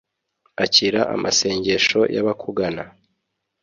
akira amasengesho y'abakugana